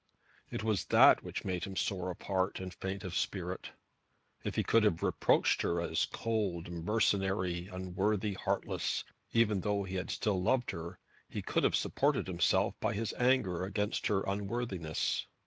It was that which made him sore of heart and faint of spirit. If he could have reproached her as cold, mercenary, unworthy, heartless, even though he had still loved her, he could have supported himself by his anger against her unworthiness.